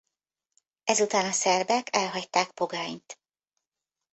Ezután a szerbek elhagyták Pogányt.